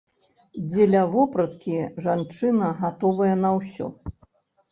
Дзеля вопраткі жанчына гатовая на ўсё.